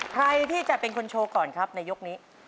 ใครที่จะเป็นคนโชว์ก่อนครับในยกนี้